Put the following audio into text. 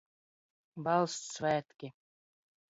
Valsts svētki